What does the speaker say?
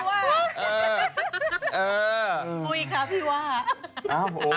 ปุ้ยครับพี่ว่า